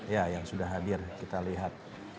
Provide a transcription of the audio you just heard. ya yang sudah hadir kita lihat